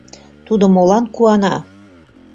Тудо молан куана?